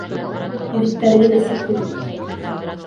Егеттәрегеҙ эсеп йөрөй.